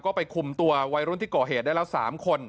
ก็ไปคุมตัววัยรุ่นที่ก่อเหตุได้แล้ว๓คน